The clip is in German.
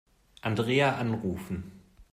Andrea anrufen.